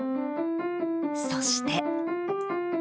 そして。